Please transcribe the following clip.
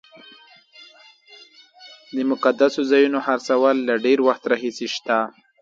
د مقدسو ځایونو خرڅول له ډېر وخت راهیسې شته.